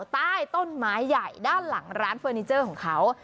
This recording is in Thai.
ใต้ต้นไม้ใหญ่ด้านหลังร้านเฟอร์นิเจอร์ของเขา